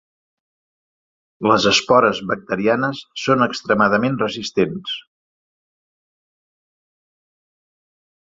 Les espores bacterianes són extremadament resistents.